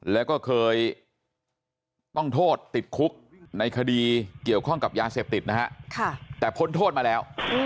แล้วก็เคยต้องโทษติดคุกในคดีเกี่ยวข้องกับยาเสพติดนะฮะแต่พ้นโทษมาแล้ว